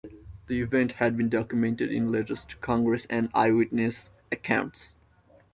The event had been documented in letters to Congress and eyewitness accounts.